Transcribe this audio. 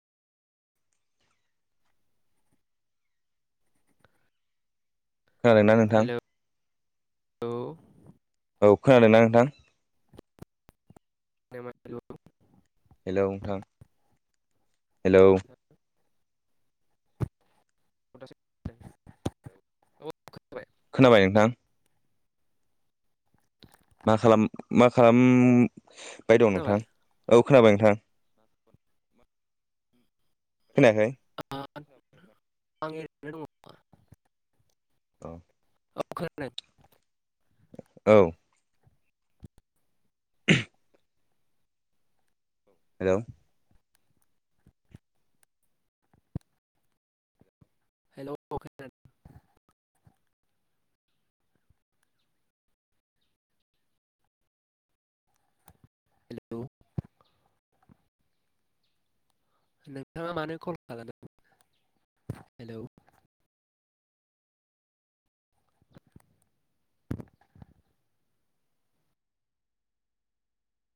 खोनादोंना नोंथां हेलौ औ खोनादों ना नोंथां खोनादोंना हेलौ हेलौ नोंथां हेलौ नोंथां औ दासो खोनादों औ खोनाबाय खोनाबाय नोंथां मा खालाम मा खालामबायदं नोंथां खोनाबाय औ खोनाबाय नोंथां खोनायाखै ओ आं ओरैनो दङ औ औ खोनादों औ [unintelligible] हेलौ हेलौ औ खोनादों हेलौ नोंथाङा मानो कल खालामामोन हेलौ